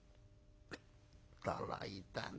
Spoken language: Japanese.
「驚いたね。